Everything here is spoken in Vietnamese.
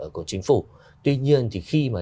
của chính phủ tuy nhiên thì khi mà